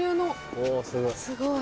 おすごい。